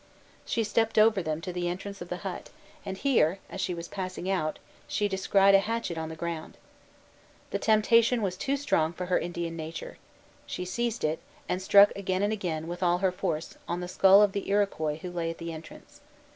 She stepped over them to the entrance of the hut; and here, as she was passing out, she descried a hatchet on the ground. The temptation was too strong for her Indian nature. She seized it, and struck again and again, with all her force, on the skull of the Iroquois who lay at the entrance.